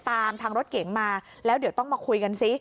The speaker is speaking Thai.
ตามทางรถเก๋งมาแล้วเดี๋ยวต้องมาคุยกันซิ